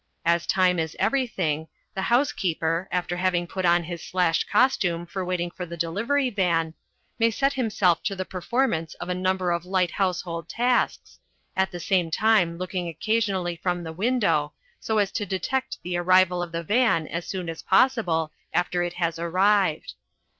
As time is everything, the housekeeper, after having put on his slashed costume for waiting for the delivery van, may set himself to the performance of a number of light household tasks, at the same time looking occasionally from the window so as to detect the arrival of the van as soon as possible after it has arrived.